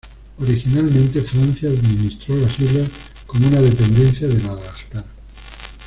Originalmente, Francia administró las islas como una dependencia de Madagascar.